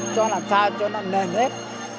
cho làm sao cho nó nền hết